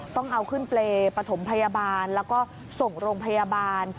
ต้องเอาขึ้นเปรย์ปฐมพยาบาลแล้วก็ส่งโรงพยาบาล